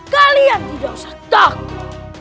kalian tidak usah takut